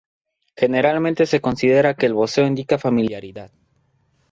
Generalmente se considera que el voseo indica "familiaridad".